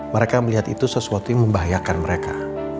mereka melihat itu sesuatu yang membahayakan mereka